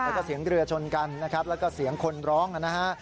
แล้วก็เสียงเรือชนกันนะครับแล้วก็เสียงคนร้องนะฮะ